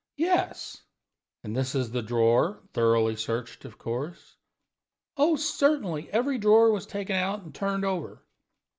"Yes." "And this is the drawer thoroughly searched, of course?" "Oh, certainly; every drawer was taken out and turned over."